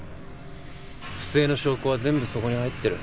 不正の証拠は全部そこに入ってる。